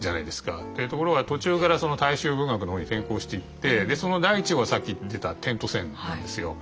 ところが途中から大衆文学の方に転向していってその第１号がさっき言ってた「点と線」なんですよ。